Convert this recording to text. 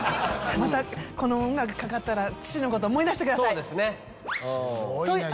またこの音楽かかったら父のこと思い出してください。